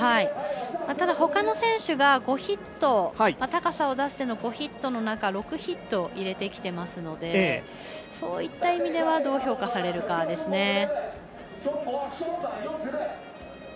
ただ、ほかの選手が高さを出しての５ヒットの中６ヒット入れてきてますのでそういった意味ではどう評価されるかですね。